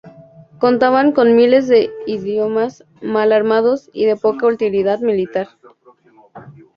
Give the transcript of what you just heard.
Contaban con miles de indios mal armados y de poca utilidad militar.